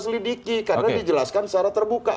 selidiki karena dijelaskan secara terbuka